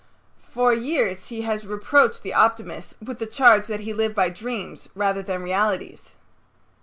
For years he has reproached the optimist with the charge that he lived by dreams rather than realities.